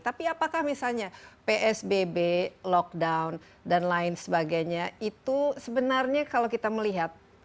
tapi apakah misalnya psbb lockdown dan lain sebagainya itu sebenarnya kalau kita melihat